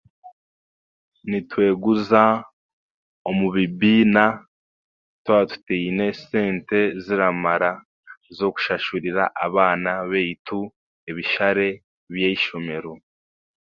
Nitweguza omu bibiina twa tutaine sente ziramara z'okushashurira abaana baitu ebishare by'eishomero